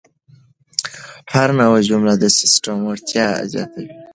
هره نوې جمله د سیسټم وړتیا زیاتوي.